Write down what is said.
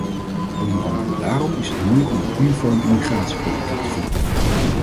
Onder andere daarom is het moeilijk om een uniform immigratiepolitiek te voeren.